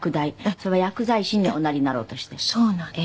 それは薬剤師におなりになろうとして？